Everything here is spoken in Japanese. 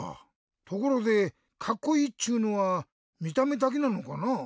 ところでカッコイイっちゅうのはみためだけなのかな？